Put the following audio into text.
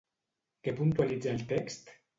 Què puntualitza el text?